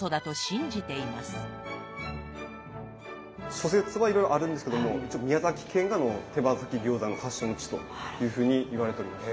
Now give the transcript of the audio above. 諸説はいろいろあるんですけども一応宮崎県が手羽先餃子の発祥の地というふうに言われております。